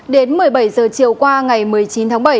đến một mươi bảy giờ chiều qua ngày một mươi chín tháng bảy